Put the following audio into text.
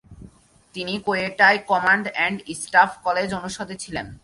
তিনি কোয়েটায় command and staff college অনুষদে ছিলেন।